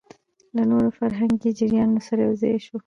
له نورو فرهنګي جريانونو سره يوځاى شو